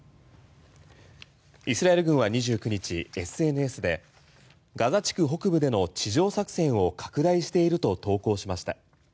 イスラエル軍は２９日ＳＮＳで、ガザ地区北部での地上作戦を拡大していると投稿しました。